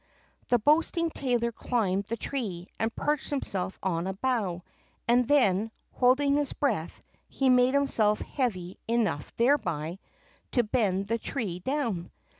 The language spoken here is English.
The boasting tailor climbed the tree, and perched himself on a bough, and then, holding his breath, he made himself heavy enough thereby, to bend the tree down.